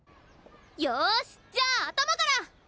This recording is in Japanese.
よしじゃあ頭から！